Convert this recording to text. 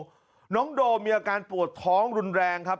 น้องโดมมีอาการปวดท้องรุนแรงครับ